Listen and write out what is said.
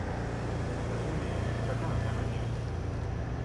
Vous savez… chacun a sa manière.